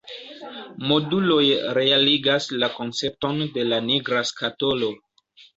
Moduloj realigas la koncepton de la nigra skatolo.